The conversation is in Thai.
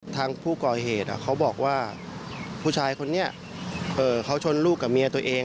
ทางผู้ก่อเหตุเขาบอกว่าผู้ชายคนนี้เขาชนลูกกับเมียตัวเอง